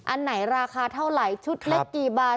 อันไหนราคาเท่าไหร่ชุดเล็กกี่บาท